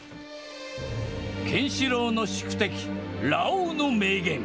ケンシロウの宿敵、ラオウの名言。